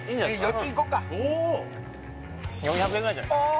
４ついこうか４００円ぐらいじゃないですか？